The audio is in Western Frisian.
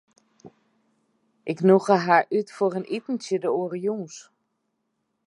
Ik nûge har út foar in itentsje de oare jûns.